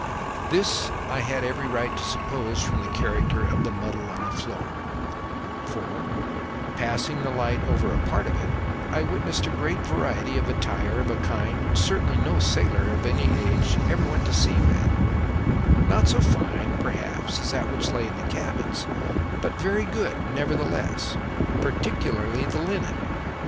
This I had every right to suppose from the character of the muddle on the floor; for, passing the light over a part of it, I witnessed a great variety of attire of a kind which certainly no sailor in any age ever went to sea with; not so fine perhaps as that which lay in the cabins, but very good nevertheless, particularly the linen.